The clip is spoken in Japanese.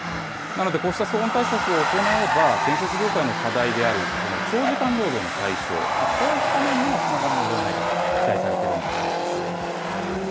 なので、こうした騒音対策を行えば、建設業界の課題である長時間労働の解消、こういった面にもつながるのではないかと期待されてるんだそうです。